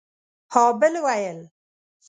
ها بل ويل